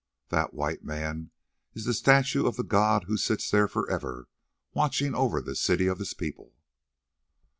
"That, White Man, is the statue of the god who sits there for ever, watching over the city of his people."